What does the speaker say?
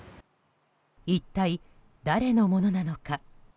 一体誰のものなのか。